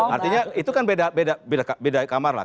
artinya itu kan beda kamar lah